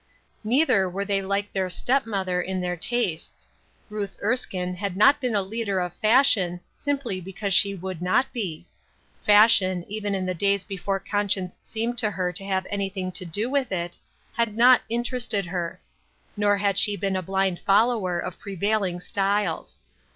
Neither were they like their step mother in their tastes. Ruth Erskine had not been a leader of Fashion, simply because she would not be. Fash ion, even in the days before conscience seemed to her to have anything to do with it, had not inter ested her. Nor had she been a blind follower of prevailing styles.